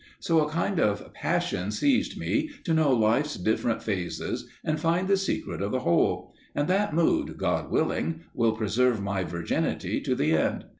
So a kind of passion seized me to know Life's different phases and find the secret of the whole; and that mood, God willing, shall preserve my virginity to the end.